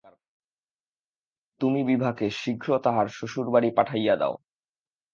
তুমি বিভাকে শীঘ্র তাহার শ্বশুর বাড়ি পাঠাইয়া দাও।